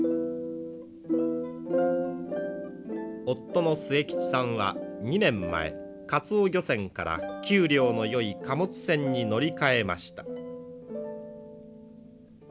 夫の末吉さんは２年前かつお漁船から給料のよい貨物船に乗り換えました。